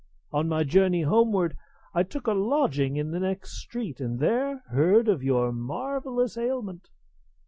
On my journey homeward, I took a lodging in the next street, and there heard of your marvellous ailment.